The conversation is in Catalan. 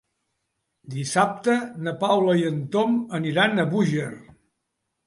Dissabte na Paula i en Tom aniran a Búger.